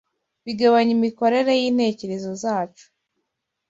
bigabanya imikorere y’intekerezo zacu